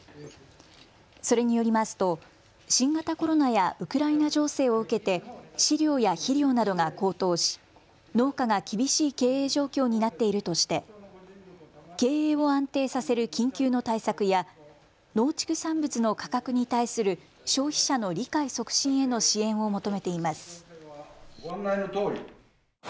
それによりますと新型コロナやウクライナ情勢を受けて飼料や肥料などが高騰し農家が厳しい経営状況になっているとして経営を安定させる緊急の対策や農畜産物の価格に対する消費者の理解促進への支援を求めています。